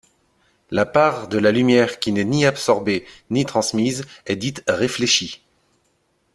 La part de la lumière qui n'est ni absorbée, ni transmise est dite réfléchie.